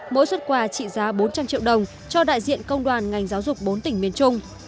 mỗi xuất quà trị giá bốn trăm linh triệu đồng cho đại diện công đoàn ngành giáo dục bốn tỉnh miền trung